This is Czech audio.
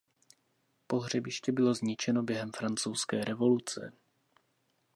Pohřebiště bylo zničeno během francouzské revoluce.